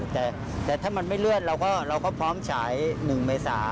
แต่ถ้ามันไม่เลื่อนเราก็พร้อมฉาย๑เมษา